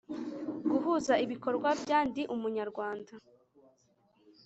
guhuza ibikorwa bya Ndi Umunyarwanda